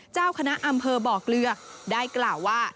เจ้าคณะอำเภอบ่อเกลือได้กล่าวว่า